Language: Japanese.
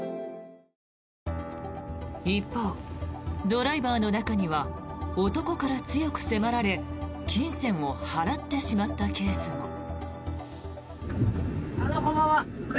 一方、ドライバーの中には男から強く迫られ金銭を払ってしまったケースも。